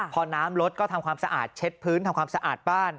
พอน้ำลดก็ทำความสะอาดเช็ดพื้นทำความสะอาดบ้าน